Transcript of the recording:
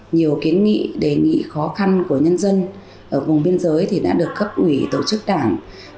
nhiều kiến nghị đề nghị khó khăn của nhân dân ở vùng biên giới đã được cấp ủy tổ chức đảng